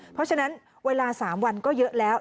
เพราะฉะนั้นเวลา๓วันก็เยอะแล้ว